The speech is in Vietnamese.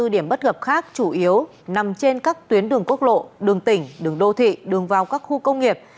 hai mươi điểm bất hợp khác chủ yếu nằm trên các tuyến đường quốc lộ đường tỉnh đường đô thị đường vào các khu công nghiệp